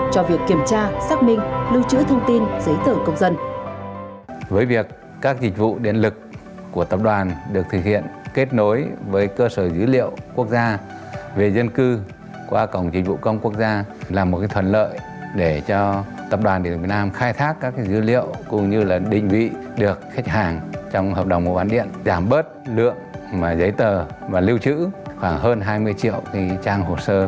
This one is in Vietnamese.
cho việc kiểm tra xác minh lưu trữ thông tin giấy tờ công dân